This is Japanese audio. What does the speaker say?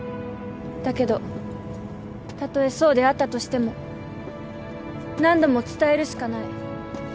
だけどたとえそうであったとしても何度も伝えるしかない。